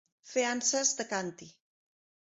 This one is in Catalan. Fer anses de càntir.